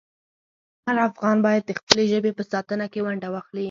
هر افغان باید د خپلې ژبې په ساتنه کې ونډه واخلي.